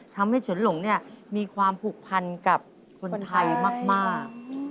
ทำให้เฉินหลงนี่มีความผูกพันกับคนไทยมาก